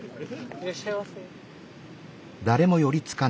いらっしゃいませ。